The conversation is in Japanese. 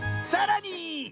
さらに！